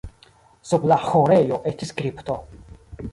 Sub la ĥorejo estis kripto.